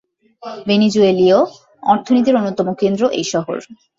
ভেনিজুয়েলীয় অর্থনীতির অন্যতম কেন্দ্র এই শহর।